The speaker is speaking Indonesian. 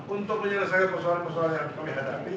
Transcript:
untuk menyelesaikan masalah masalah yang kami hadapi